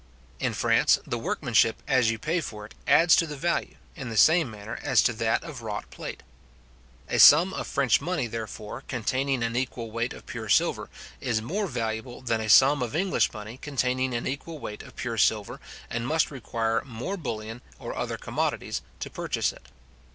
In France, the workmanship, as you pay for it, adds to the value, in the same manner as to that of wrought plate. A sum of French money, therefore, containing an equal weight of pure silver, is more valuable than a sum of English money containing an equal weight of pure silver, and must require more bullion, or other commodities, to purchase it.